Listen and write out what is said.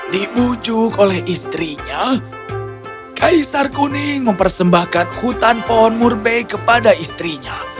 dibujuk oleh istrinya kaisar kuning mempersembahkan hutan pohon murbe kepada istrinya